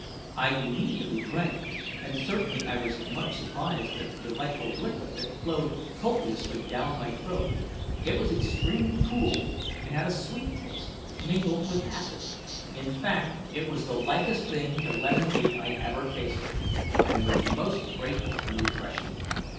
I immediately drank, and certainly I was much surprised at the delightful liquid that flowed copiously down my throat. It was extremely cool, and had a sweet taste, mingled with acid; in fact, it was the likest thing to lemonade I ever tasted, and was most grateful and refreshing.